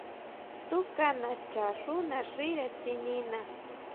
Túka nacha xú naxíre tsinina.